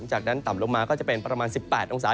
จากนั้นต่ำลงมาก็จะเป็นประมาณ๑๘องศา